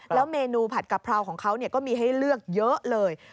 เมนูผัดกะเพราของเขาก็มีให้เลือกเยอะเลย